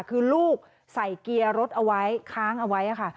คือลูกใส่เกียร์รถเอาไว้ค้างเอาไว้ค่ะ